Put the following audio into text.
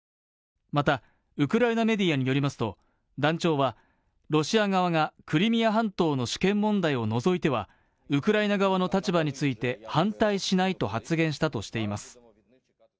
また、ウクライナメディアによりますと、団長はロシア側がクリミア半島の主権問題を除いてはウクライナ側の立場について反対しないと発言したとしています。